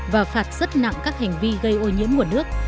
và bất nặng các hành vi gây ô nhiễm nguồn nước